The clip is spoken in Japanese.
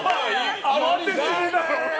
慌てすぎだよ。